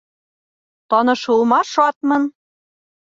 Танышыуыма шатмын!